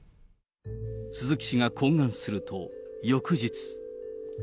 鈴木氏が懇願すると、翌日。